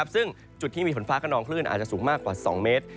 ซึ่งจุดที่มีฝนฟ้าขนองคลื่นอาจจะสูงมากกว่า๒เมตร